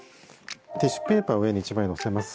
ティッシュペーパーを上に１枚のせます。